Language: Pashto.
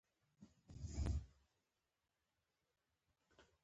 پنېر د سابهجاتو سره پخېږي.